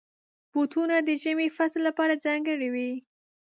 بوټونه د ژمي فصل لپاره ځانګړي وي.